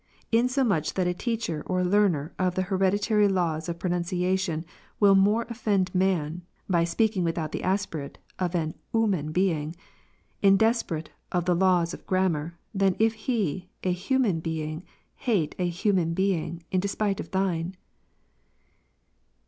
Insomuch, that a teacher or learner of the hereditary laws of pronunciation will more offend men, by speaking without the aspirate, of a "iiman being," in despite of the laws of grammar, than if he, a "human being," hate a '"human being" in despite of Thine.